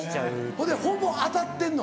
ほんでほぼ当たってんの？